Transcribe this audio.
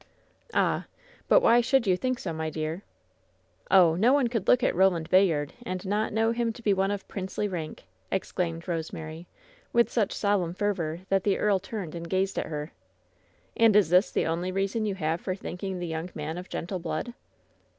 "Ah! but why should you think so, my dear!" "Oh! no one could look at Eoland Bayard and not know him to be one of princely rank !" exclaimed Rose mary, with such solemn fervor that the earl turned and gazed at her. "And is this the only reason you have for thinking the yoimg man of gentle blood?"